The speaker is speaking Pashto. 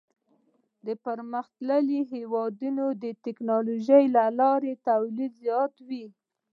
پرمختللي هېوادونه د ټکنالوژۍ له لارې تولید زیاتوي.